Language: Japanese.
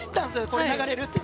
これが流れるって。